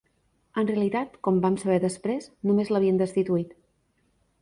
En realitat, com vam saber després, només l'havien destituït.